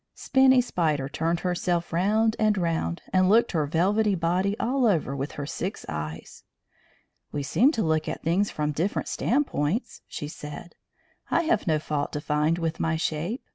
Spinny Spider turned herself round and round, and looked her velvety body all over with her six eyes. "We seem to look at things from different standpoints," she said. "I have no fault to find with my shape.